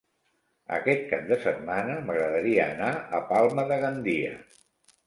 Aquest cap de setmana m'agradaria anar a Palma de Gandia.